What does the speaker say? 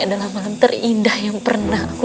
tapi anda perlu allah pergilah fox